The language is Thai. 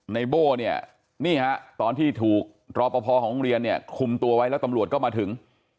ในโบ้เนี่ยนี่ฮะตอนที่ถูกรอปภของโรงเรียนเนี่ยคุมตัวไว้แล้วตำรวจก็มาถึง